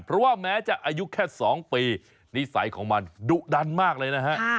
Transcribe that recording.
เพราะว่าแม้จะอายุแค่๒ปีนิสัยของมันดุดันมากเลยนะฮะ